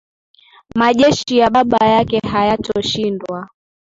majeshi ya baba yake hayatoshindwa